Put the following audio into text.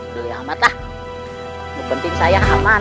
ruhya mata kepenting saya aman